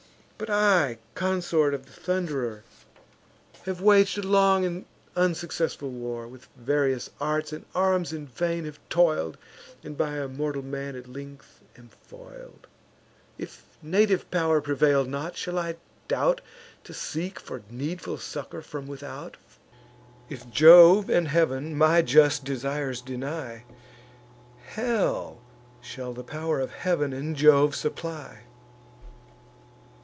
But I, the consort of the Thunderer, Have wag'd a long and unsuccessful war, With various arts and arms in vain have toil'd, And by a mortal man at length am foil'd. If native pow'r prevail not, shall I doubt To seek for needful succour from without? If Jove and Heav'n my just desires deny, Hell shall the pow'r of Heav'n and Jove supply.